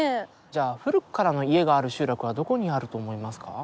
じゃあ古くからの家がある集落はどこにあると思いますか？